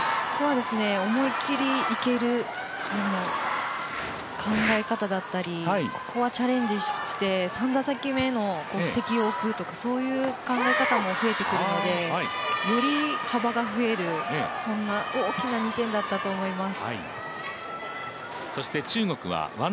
思い切りいける考え方だったりここはチャレンジして、３打席目の席を置くとかそういう考え方も増えてくるのでより幅が増えるそんな大きな２点だったと思います。